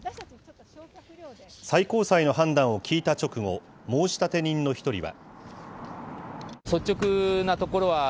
最高裁の判断を聞いた直後、申立人の１人は。